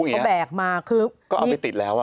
เขาแบกมาคือก็เอาไปติดแล้ว